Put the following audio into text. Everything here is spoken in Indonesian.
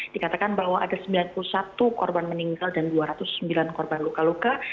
dikatakan bahwa ada sembilan puluh satu korban meninggal dan dua ratus sembilan korban luka luka